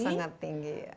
sangat tinggi ya